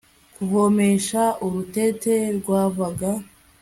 kuvomesha urutete rwavaga